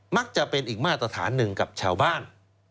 จะเป็นอีกมาตรฐานหนึ่งกับชาวบ้าน